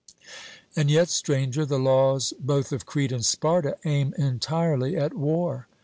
'And yet, Stranger, the laws both of Crete and Sparta aim entirely at war.'